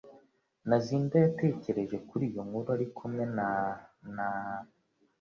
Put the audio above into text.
Ntazinda yatekereje kuri iyo nkuru ari kumwe na n